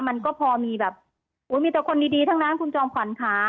มันก็พอมีแบบมีแต่คนดีทั้งนั้นคุณจอมขวัญค่ะ